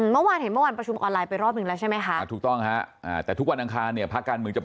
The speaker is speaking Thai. เมื่อวานเห็นประชุมออนไลน์ไปรอบหนึ่งและใช่ไหมครับ